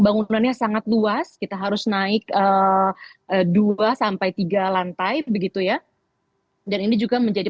bangunannya sangat luas kita harus naik dua sampai tiga lantai begitu ya dan ini juga menjadi